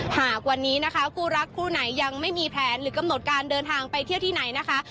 หากวันนี้นะคะคู่รักคู่ไหนยังไม่มีแผนหรือกำหนดการเดินทางไปเที่ยวที่ไหนนะคะ